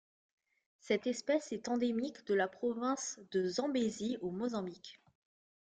Cette espèce est endémique de la province de Zambézie au Mozambique.